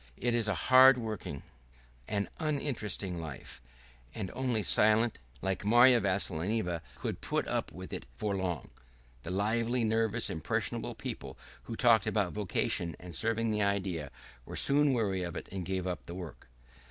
It is a hard working, an uninteresting life, and only silent, patient cart horses like Mary Vassilyevna could put up with it for long; the lively, nervous, impressionable people who talked about vocation and serving the idea were soon weary of it and gave up the work.